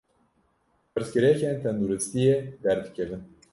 Pirsgirêkên tenduristiyê derdikevin.